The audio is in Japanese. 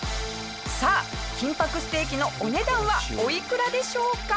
さあ金箔ステーキのお値段はおいくらでしょうか？